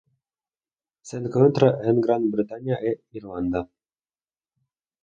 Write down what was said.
Se encuentra en Gran Bretaña e Irlanda.